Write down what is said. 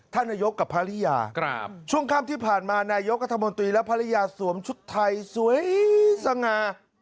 นายกกับภรรยาช่วงค่ำที่ผ่านมานายกรัฐมนตรีและภรรยาสวมชุดไทยสวยสง่า